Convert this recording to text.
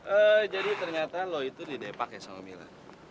eh jadi ternyata lo itu didepak ya sama mila